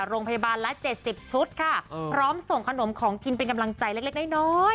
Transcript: โรงพยาบาลละ๗๐ชุดค่ะพร้อมส่งขนมของกินเป็นกำลังใจเล็กน้อย